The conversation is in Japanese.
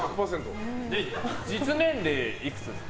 実年齢、いくつですか？